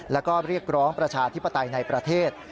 แล้วก็เรียกร้องประชาธิปไตยในประเทศ